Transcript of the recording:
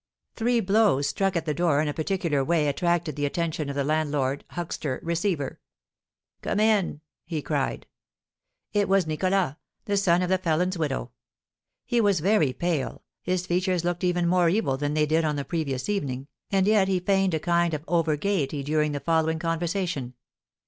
Three blows struck at the door in a particular way attracted the attention of the landlord, huckster, receiver. "Come in!" he cried. It was Nicholas, the son of the felon's widow. He was very pale, his features looked even more evil than they did on the previous evening, and yet he feigned a kind of overgaiety during the following conversation.